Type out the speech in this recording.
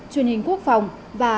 truyền hình quốc phòng và